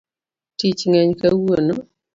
Tich ng'eny kawuono